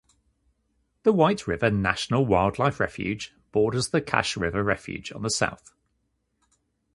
The White River National Wildlife Refuge borders the Cache River Refuge on the south.